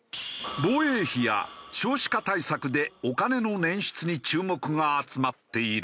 防衛費や少子化対策でお金の捻出に注目が集まっている中。